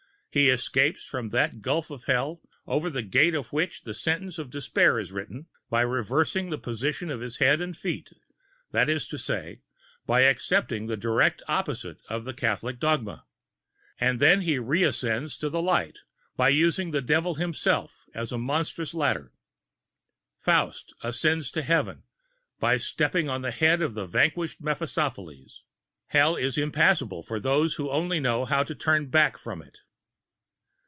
He escapes from that gulf of Hell over the gate of which the sentence of despair was written, by reversing the positions of his head and feet, that is to say, by accepting the direct opposite of the Catholic dogma: and then he reascends to the light, by using the Devil himself as a monstrous ladder. Faust ascends to Heaven, by stepping on the head of the vanquished Mephistopheles. Hell is impassable for those only who know not how to turn back from it.